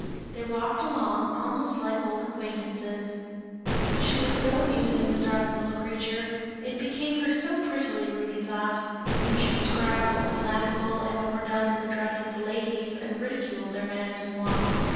They walked along almost like old acquaintances; she was so amusing, the darling little creature, it became her so prettily Rudy thought, when she described what was laughable and overdone in the dress of the ladies, and ridiculed their manners and walk.